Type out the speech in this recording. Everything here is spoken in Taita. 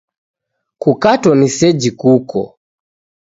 Kukato ni seji kuko